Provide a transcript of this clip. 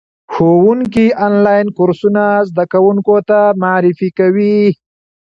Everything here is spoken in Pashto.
ښوونکي آنلاین کورسونه زده کوونکو ته معرفي کوي.